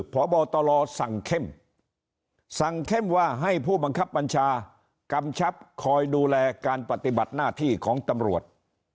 พบตรสั่งเข้มสั่งเข้มว่าให้ผู้บังคับบัญชากำชับคอยดูแลการปฏิบัติหน้าที่ของตำรวจ